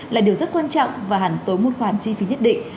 là điều rất quan trọng và hẳn tối một khoản chi phí nhất định